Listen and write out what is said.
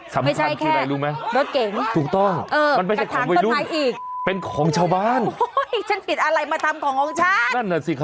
คำธรรมอะไรก็คืออะไรรู้มั้ยเป็นของชาวบ้านอี๊ยฉันผิดอะไรมาทำขององค์ฉัน